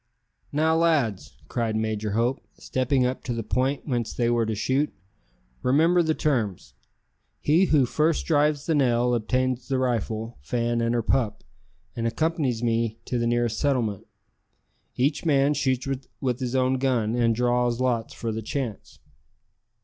"Now, lads," cried Major Hope, stepping up to the point whence they were to shoot, "remember the terms. He who first drives the nail obtains the rifle, Fan, and her pup, and accompanies me to the nearest settlement. Each man shoots with his own gun, and draws lots for the chance."